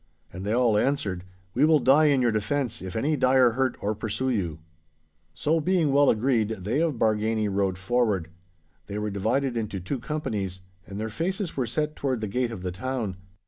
And they all answered, 'We will die in your defence if any dire hurt or pursue you!' So being well agreed, they of Bargany rode forward. They were divided into two companies, and their faces were set toward the gate of the town.